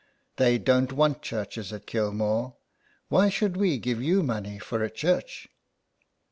They don't want churches at Kilmore. Why should we give you money for a church